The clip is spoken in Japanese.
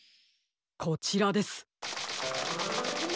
こちらです。